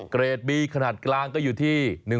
เกรดบีขนาดกลางก็อยู่ที่